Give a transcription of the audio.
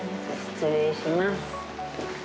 失礼します。